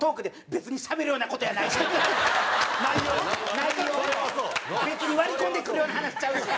別に割り込んでくるような話ちゃうし。